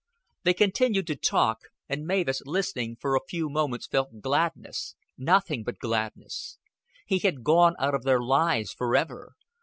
They continued to talk; and Mavis, listening, for a few moments felt gladness, nothing but gladness. He had gone out of their lives forever.